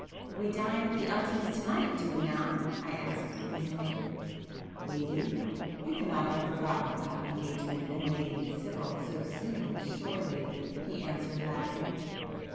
"We dine at the Eltons' to night, do we not?" I asked musingly. [p 122]"We do. You cannot have forgotten that engagement and Lady Sibyl so soon surely!" he answered laughing.